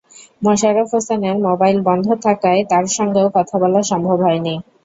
মোশারফ হোসেনের মোবাইল বন্ধ থাকায় তাঁর সঙ্গেও কথা বলা সম্ভব হয়নি।